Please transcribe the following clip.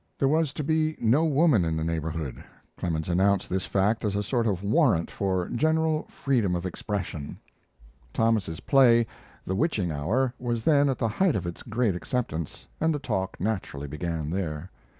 There was to be no woman in the neighborhood Clemens announced this fact as a sort of warrant for general freedom of expression. Thomas's play, "The Witching Hour," was then at the height of its great acceptance, and the talk naturally began there.